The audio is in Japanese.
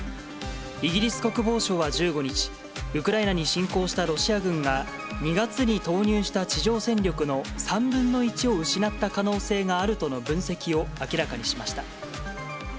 イギリス国防省は１５日、ウクライナに侵攻したロシア軍が、２月に投入した地上戦力の３分の１を失った可能性があるとの分析を明らかにしました。